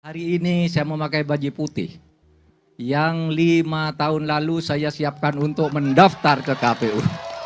hari ini saya memakai baju putih yang lima tahun lalu saya siapkan untuk mendaftar ke kpu